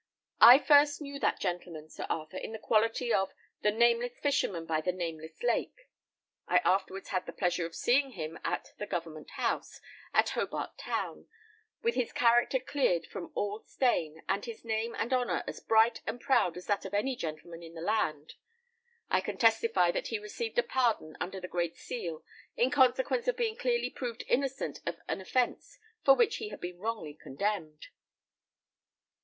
I first knew that gentleman, Sir Arthur, in the quality of the Nameless Fisherman by the Nameless Lake. I afterwards had the pleasure of seeing him at the Government House, at Hobart Town, with his character cleared from all stain, and his name and honour as bright and proud as that of any gentleman in the land. I can testify that he received a pardon under the great seal, in consequence of being clearly proved innocent of an offence for which he had been wrongly condemned."